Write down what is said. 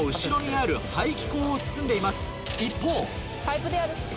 一方。